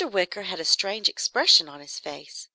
Wicker had a strange expression on his face.